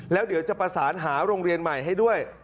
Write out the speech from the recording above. แล้วเดี๋ยวจะประสานหาโรงเรียนใหม่ให้ด้วย